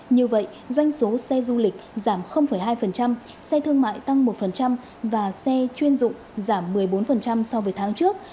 như vậy doanh số xe du lịch giảm hai xe thương mại tăng một và xe chuyên dụng giảm một mươi bốn so với tháng trước